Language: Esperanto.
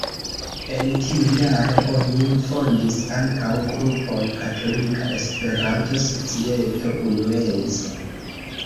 En tiu jaro oni fondis ankaŭ grupon Katolika Esperanto-Societo Unueco.